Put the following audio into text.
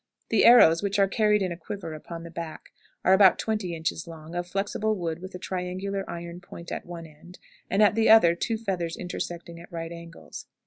The arrows, which are carried in a quiver upon the back, are about twenty inches long, of flexible wood, with a triangular iron point at one end, and at the other two feathers intersecting at right angles.